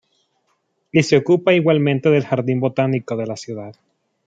Y se ocupa igualmente del jardín botánico de la ciudad.